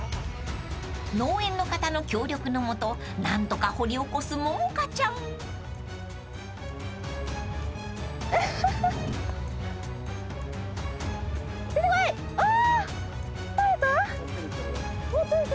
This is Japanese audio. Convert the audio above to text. ［農園の方の協力のもと何とか掘り起こす萌々香ちゃん］出てこい！